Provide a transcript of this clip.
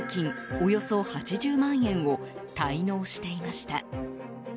およそ８０万円を滞納していました。